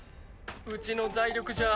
うちの財力じゃ